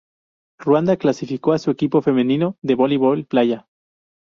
Ruanda clasificó a su equipo femenino de voleibol playa.